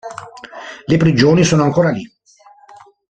Le prigioni sono ancora lì.